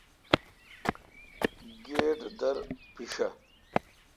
گیٹ در پیݭہ۔